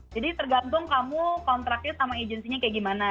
jadi tergantung kamu kontraktif sama agency nya kayak gimana